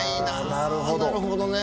なるほどね。